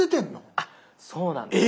あっそうなんです。